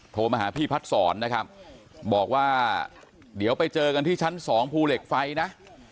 โทรมาหาพี่พัดศรนะครับบอกว่าเดี๋ยวไปเจอกันที่ชั้น๒ภูเหล็กไฟนะ